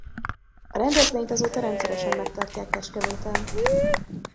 A rendezvényt azóta rendszeresen megtartják Kecskeméten.